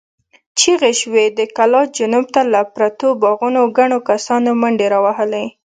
چيغې شوې، د کلا جنوب ته له پرتو باغونو ګڼو کسانو منډې را وهلې.